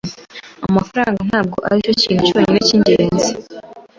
Amafaranga ntabwo aricyo kintu cyonyine cyingenzi.